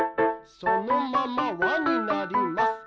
そのままわになります。